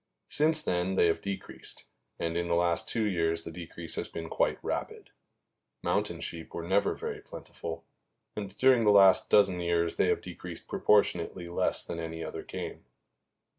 Since then they have decreased, and in the last two years the decrease has been quite rapid. Mountain sheep were never very plentiful, and during the last dozen years they have decreased proportionately less than any other game.